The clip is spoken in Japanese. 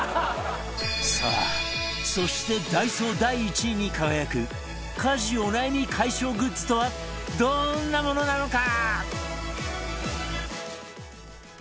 さあそしてダイソー第１位に輝く家事お悩み解消グッズとはどんなものなのか？